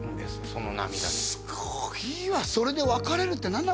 その涙ですごいわそれで別れるってなんなかった？